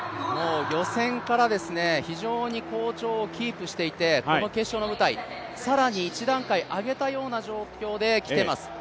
予選から非常に好調をキープしていて、この決勝の舞台更に一段階上げたような状況で来ています。